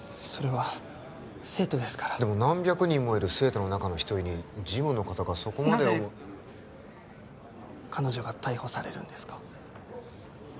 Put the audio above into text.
それは生徒ですからでも何百人もいる生徒の中の一人に事務の方がそこまでなぜ彼女が逮捕されるんですか？